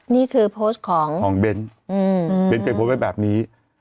นี่คือโพสต์ของเบ้นเบ้นเคยโพสต์ไว้แบบนี้